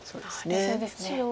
冷静ですね。